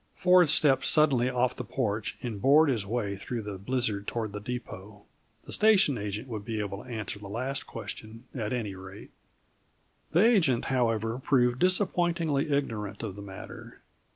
Ford stepped suddenly off the porch and bored his way through the blizzard toward the depot. The station agent would be able to answer the last question, at any rate. The agent, however, proved disappointingly ignorant of the matter.